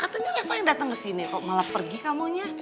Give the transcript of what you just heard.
katanya treva yang datang ke sini kok malah pergi kamu nya